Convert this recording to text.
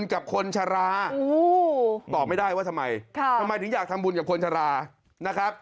กับคนชะลาตอบไม่ได้ว่าทำไมทำไมถึงอยากทำบุญกับคนชะลานะครับ